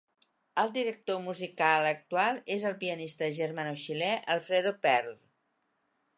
El director musical actual és el pianista germano-xilè Alfredo Perl.